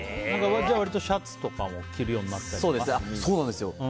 じゃあ割とシャツとかも着るようになったりとか？